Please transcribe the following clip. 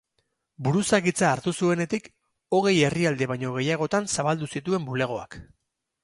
Buruzagitza hartu zuenetik, hogei herrialde baino gehiagotan zabaldu zituen bulegoak.